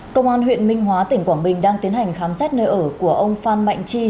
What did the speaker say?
công an huyện minh hóa tỉnh quảng bình đang tiến hành khám xét nơi ở của ông phan mạnh chi